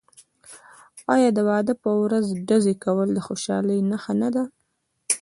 آیا د واده په ورځ ډزې کول د خوشحالۍ نښه نه ده؟